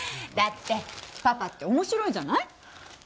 だってパパって面白いじゃない？